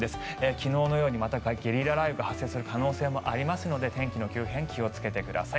昨日のようにまたゲリラ雷雨が発生する可能性がありますので天気の急変に気をつけてください。